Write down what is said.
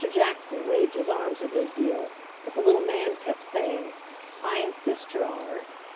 Jackson waved his arms a good deal, but the little man kept saying, "I insist, your Honor!"